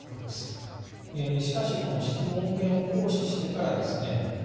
しかしこの質問権を行使してからですね